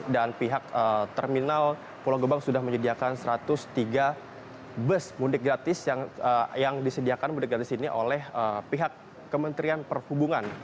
dan pihak terminal pulau gebang sudah menyediakan satu ratus tiga bus mudik gratis yang disediakan mudik gratis ini oleh pihak kementerian perhubungan